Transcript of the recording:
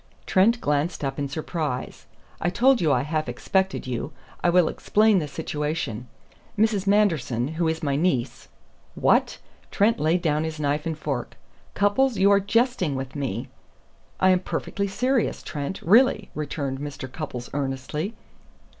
Trent glanced up in surprise. "I told you I half expected you. I will explain the situation. Mrs. Manderson, who is my niece " "What!" Trent laid down his knife and fork. "Cupples, you are jesting with me." "I am perfectly serious, Trent, really," returned Mr. Cupples earnestly.